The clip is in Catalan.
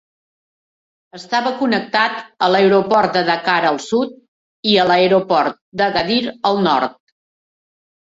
Estava connectat a l'aeroport de Dakar al sud i a l'aeroport d'Agadir al nord.